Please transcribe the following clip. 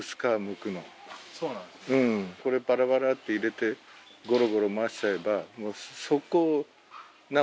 これバラバラって入れてゴロゴロ回しちゃえば。